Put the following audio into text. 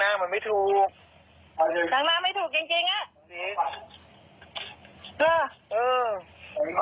แต่หนังน้ำมันไม่ถูก